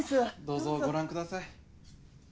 どうぞご覧ください。